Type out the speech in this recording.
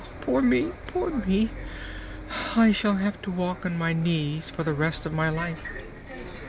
Oh, poor me! poor me! I shall have to walk on my knees for the rest of my life!"